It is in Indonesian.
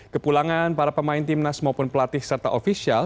kepulangan para pemain timnas maupun pelatih serta ofisial